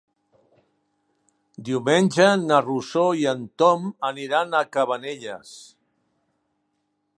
Diumenge na Rosó i en Tom aniran a Cabanelles.